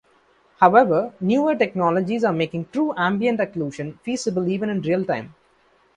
However, newer technologies are making true ambient occlusion feasible even in real-time.